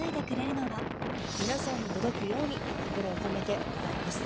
皆さんに届くように心を込めて歌います。